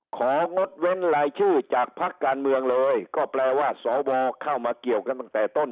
งดเว้นรายชื่อจากพักการเมืองเลยก็แปลว่าสวเข้ามาเกี่ยวกันตั้งแต่ต้น